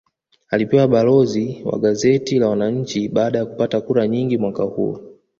Alipewa balozi wa gazeti la mwananchi baada ya kupata kura nyingi mwaka huo